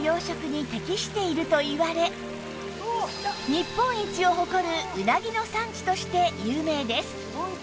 日本一を誇るうなぎの産地として有名です